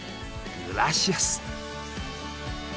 グラシアス！